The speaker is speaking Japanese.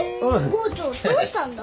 郷長どうしたんだ？